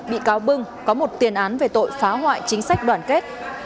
bị cáo bưng có một tiền án về tội phá hoại chính sách đoàn kết